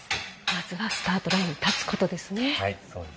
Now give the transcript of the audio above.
まずはスタートラインに立つことですね。